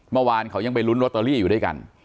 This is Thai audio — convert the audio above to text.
เมื่อวานเขายังไปลุ้นลอตเตอรี่อยู่ด้วยกัน